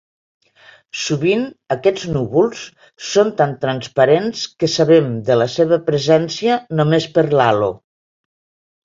Sovint aquests núvols són tan transparents que sabem de la seva presència només per l’halo.